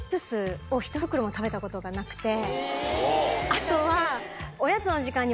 あとは。